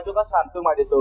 cho các sản thương mại điện tử